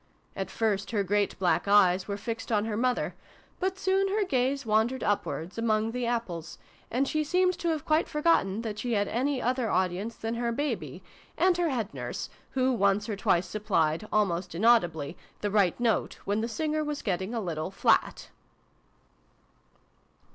At first her great black eyes were fixed on her mother, but soon her gaze wandered upwards, among the apples, and she seemed to have quite forgotten that she had any other audience than her Baby, and her Head Nurse, who once or twice supplied, almost inaudibly, the right note, when the singer was getting a little ' flat.'